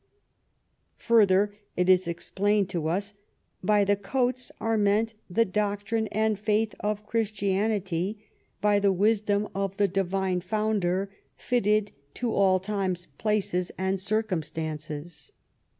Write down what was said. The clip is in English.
Further it is explained to us —" by the coats are meant the doctrine and faith of 233 THE REIGN OF QUEEN ANNE Christianity, by the wisdom of the Divine Founder, fitted to all times, places, and circumstances."